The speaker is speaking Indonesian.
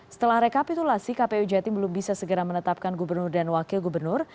setelah rekapitulasi kpu jatim belum bisa segera menetapkan gubernur dan wakil gubernur